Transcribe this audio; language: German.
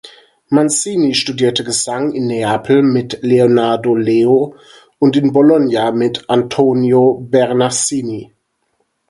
Mancini studierte Gesang in Neapel mit Leonardo Leo und in Bologna mit Antonio Bernacchi.